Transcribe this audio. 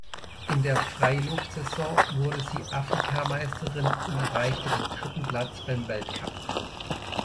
In der Freiluftsaison wurde sie Afrikameisterin und erreichte den dritten Platz beim Weltcup.